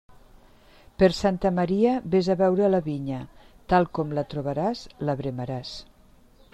Per Santa Maria, vés a veure la vinya; tal com la trobaràs la veremaràs.